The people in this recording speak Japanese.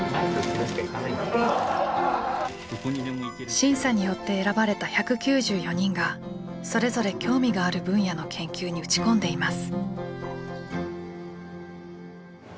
審査によって選ばれた１９４人がそれぞれ興味がある分野の研究に打ち込んでいます。